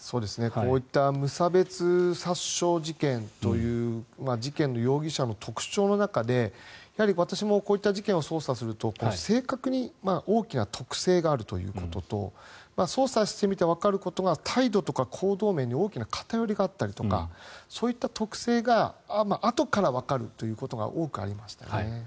こういった無差別殺傷事件という事件の容疑者の特徴の中で私もこういった事件を捜査すると性格に大きな特性があるということと捜査してみてわかることが態度とか行動面に大きな偏りがあったりとかそういった特性があとからわかるということが多くありましたね。